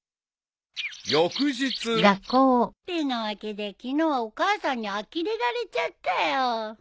［翌日］ってなわけで昨日はお母さんにあきれられちゃったよ。